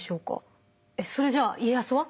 えっそれじゃあ家康は？